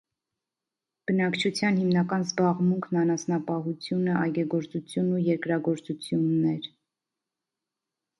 Բնակչության հիմնական զբաղմունքն անասնապահությունը, այգեգործությունն ու երկրագործությունն էր։